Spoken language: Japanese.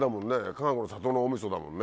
かがくの里のおみそだもんね。